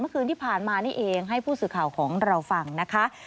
เมื่อคืนที่ผ่านมานี่เองให้ผู้สื่อข่าวของเราฟังนะคะ